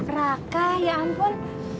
raka ya ampun